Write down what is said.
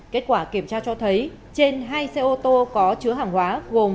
kết quả kiểm tra cho thấy trên hai xe ô tô có chứa hàng hóa gồm